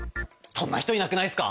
そんな人いなくないっすか？